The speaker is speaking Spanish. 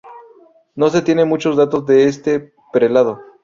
No se tienen muchos datos de este prelado.